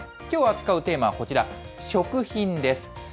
きょう扱うテーマはこちら、食品です。